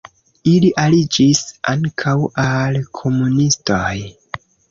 Ili aliĝis ankaŭ al komunistoj.